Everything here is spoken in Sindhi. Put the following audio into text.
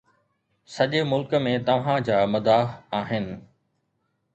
سڄي ملڪ ۾ توهان جا مداح آهن